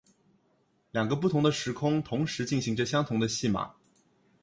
两个不同的时空同时进行着相同的戏码。